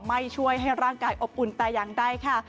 ไม่ช่วยให้ร่างกายอบอุ่นแต่อย่างใดค่ะ